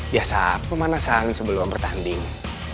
biasa pemanasan sebelum pertanding